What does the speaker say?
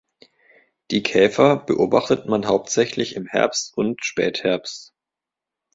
Die Käfer beobachtet man hauptsächlich im Herbst und Spätherbst.